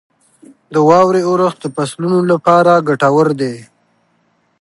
• د واورې اورښت د فصلونو لپاره ګټور دی.